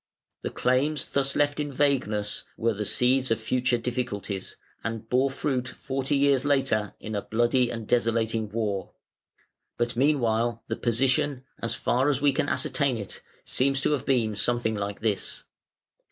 The claims thus left in vagueness were the seeds of future difficulties, and bore fruit forty years later in a bloody and desolating war, but meanwhile the position, as far as we can ascertain it, seems to have been something like this.